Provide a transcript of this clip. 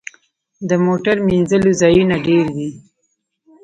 د موټر مینځلو ځایونه ډیر دي؟